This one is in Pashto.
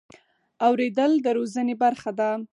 اورېدل د روزنې برخه ده.